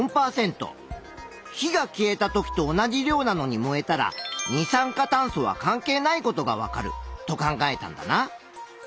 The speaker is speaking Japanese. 火が消えた時と同じ量なのに燃えたら二酸化炭素は関係ないことがわかると考えたんだな。